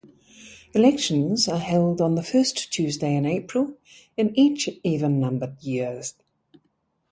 Elections are held on the first Tuesday in April in each even-numbered year.